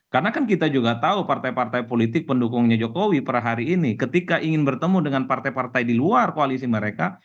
karena kan kita juga tahu partai partai politik pendukungnya jokowi per hari ini ketika ingin bertemu dengan partai partai di luar koalisi mereka